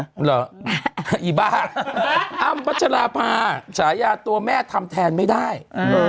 น่ะหรอมบ้าอ้า๊มัชลาพาฉะยาต้อแม่ทำแทนไม่ได้โอ